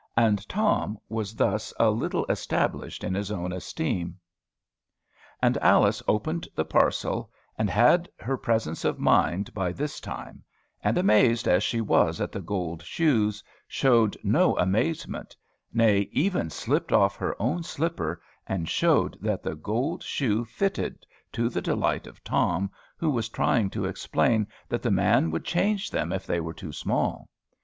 And Tom was thus a little established in his own esteem. And Alice opened the parcel, and had her presence of mind by this time; and, amazed as she was at the gold shoes, showed no amazement, nay, even slipped off her own slipper, and showed that the gold shoe fitted, to the delight of Tom, who was trying to explain that the man would change them if they were too small.